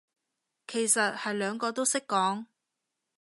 其實係兩個都識講